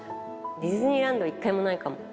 ディズニーランド、１回もないかも。